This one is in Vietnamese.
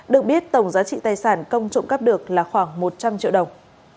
được biết tổng giá trị tài sản công trộm cắp được là khoảng một trăm linh triệu đồng